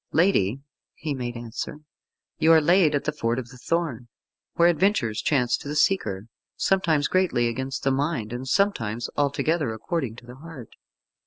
"Lady," he made answer, "you are laid at the Ford of the Thorn, where adventures chance to the seeker, sometimes greatly against the mind, and sometimes altogether according to the heart."